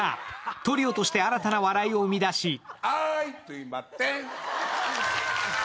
トリオとして新たな笑いを生み出しあーい、とぅいまてん。